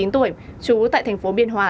hai mươi chín tuổi chú tại thành phố biên hòa